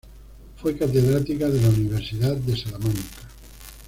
Fue catedrática de la Universidad de Salamanca.